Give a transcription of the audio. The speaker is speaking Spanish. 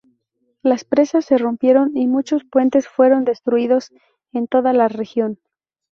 Las presas se rompieron y muchos puentes fueron destruidos en toda la región.